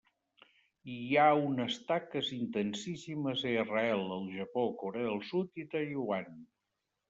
I hi ha unes taques intensíssimes a Israel, el Japó, Corea del Sud i Taiwan.